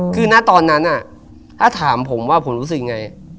คือณตอนนั้นถ้าถามผมว่าผมรู้สึกยังไง